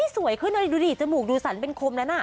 สวยขึ้นดูสันเป็นคมนั้น